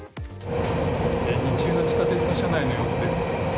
日中の地下鉄の車内の様子です。